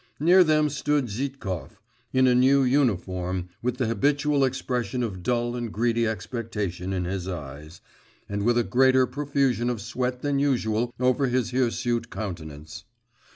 Near them stood Zhitkov, in a new uniform, with the habitual expression of dull and greedy expectation in his eyes, and with a greater profusion of sweat than usual over his hirsute countenance.